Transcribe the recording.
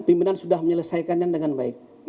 pimpinan sudah menyelesaikannya dengan baik